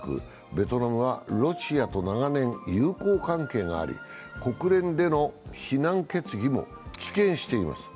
ベトナムはロシアと長年、友好関係があり、国連での非難決議も棄権しています。